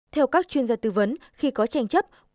theo các chuyên gia tư vấn khi có tranh chấp